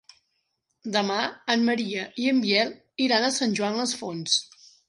Demà en Maria i en Biel iran a Sant Joan les Fonts.